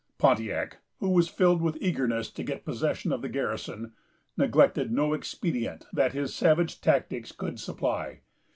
Pontiac, who was filled with eagerness to get possession of the garrison, neglected no expedient that his savage tactics could supply.